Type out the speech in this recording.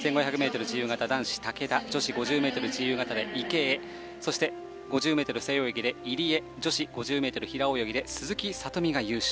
ｍ自由形男子で竹田女子５０ｍ自由形で池江５０ｍ背泳ぎで入江女子５０ｍ平泳ぎで鈴木聡美が優勝。